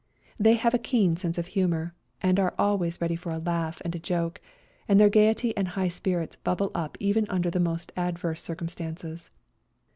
They have a keen sense of humour, and are always 84 A COLD NIGHT RIDE ready for a laugh and a joke, and their gaiety and high spirits bubble up even under the most adverse circumstances.